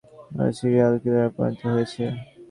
ওরা সিরিয়াল কিলারে পরিণত হয়েছে।